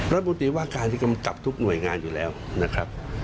บุติว่าการที่กำกับทุกหน่วยงานอยู่แล้วนะครับ